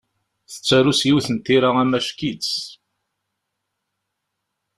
Tettaru s yiwet n tira amack-itt.